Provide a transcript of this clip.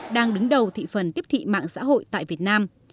đang đứng đầu thị phần tiếp thị mạng xã hội tại việt nam